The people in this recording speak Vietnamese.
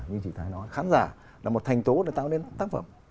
như chị thái nói khán giả là một thành tố để tạo nên tác phẩm